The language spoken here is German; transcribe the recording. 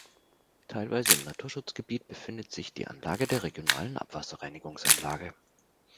Teilweise im Naturschutzgebiet befindet sich die Anlage der regionalen Abwasserreinigungsanlage.